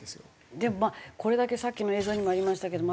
でもこれだけさっきの映像にもありましたけども